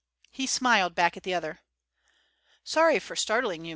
He smiled back at the other. "Sorry for startling you. Mr.